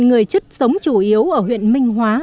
người chất sống chủ yếu ở huyện minh hóa